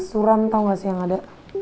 suram tahu gak sih yang ada